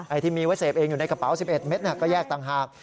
ที่มีไว้เสพเองอยู่ในกระเป๋า๑๑เม็ดก็แยกต่างหาก